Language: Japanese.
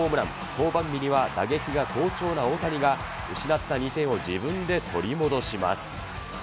登板日には打撃が好調な大谷が失った２点を自分で取り戻します。